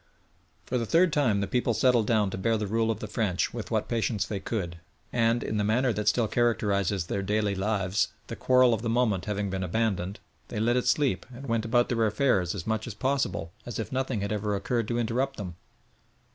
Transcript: For the third time the people settled down to bear the rule of the French with what patience they could, and, in the manner that still characterises their daily lives, the quarrel of the moment having been abandoned, they let it sleep and went about their affairs as much as possible as if nothing had ever occurred to interrupt them.